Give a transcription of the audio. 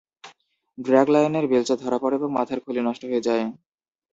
Drag লাইনের বেলচা ধরা পড়ে এবং মাথার খুলি নষ্ট হয়ে যায়।